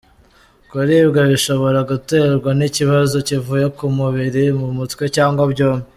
Kuribwa bishobora guterwa n’ikibazo kivuye ku mubiri, mu mutwe cyangwa byombi.